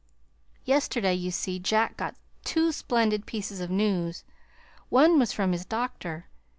Yesterday, you see, Jack got two splendid pieces of news. One was from his doctor.